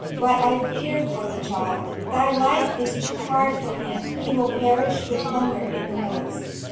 "But I fear for the child. Thy life is too hard for him. He will perish with hunger in the woods."